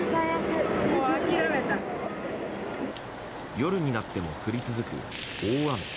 夜になっても降り続く大雨。